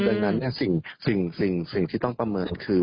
ดังนั้นเนี่ยสิ่งสิ่งสิ่งสิ่งที่ต้องประเมินคือ